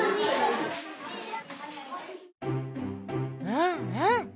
うんうん！